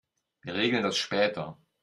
Wir regeln das später.